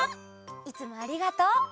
いつもありがとう。